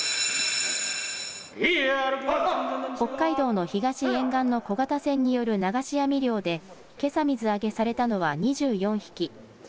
北海道の東沿岸の小型船による流し網漁でけさ水揚げされたのは２４匹。